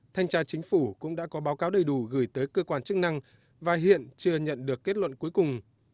thanh tra chính phủ cũng đã có báo cáo đầy đủ gửi tới cơ quan chức năng và hiện chưa nhận được kết luận cuối cùng